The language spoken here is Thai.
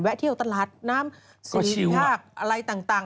แวะเที่ยวตลาดน้ำสีพริพากษ์อะไรต่าง